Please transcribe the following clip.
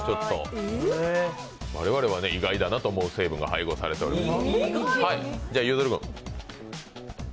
我々は意外だなと思う成分が配合されています。